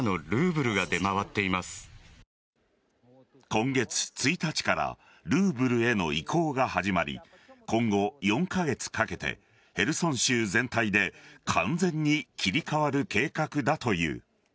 今月１日からルーブルへの移行が始まり今後、４カ月かけてヘルソン州全体で完全に切り替わる計画だという。